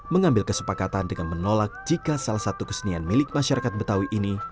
mengambil kesepakatan dengan menolak jika salah satu kesenian milik masyarakat betawi ini